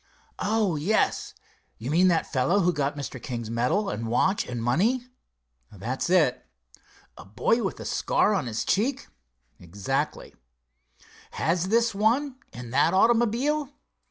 "Oh, yes. You mean by the fellow who got Mr. King's medal and watch and money?" "That's it." "A boy with a scar on his cheek?" "Exactly." "Has this one, in that automobile?"